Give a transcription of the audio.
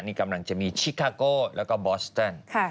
นี่กำลังจะมีชิคาโก้แล้วก็บอสตัน